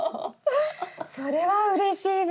それはうれしいです。